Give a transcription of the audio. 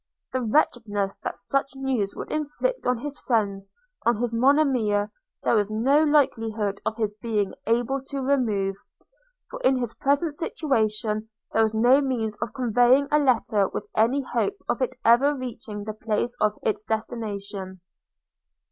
The wretchedness that such news would inflict on his friends, on his Monimia, there was no likelihood of his being able to remove; for, in his present situation, there was no means of conveying a letter with any hope of its ever reaching the place of its destination.